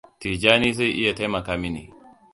Tijjani zai iya taimaka mini.